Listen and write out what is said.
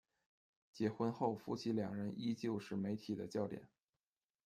结婚后夫妻两人依旧是媒体的焦点。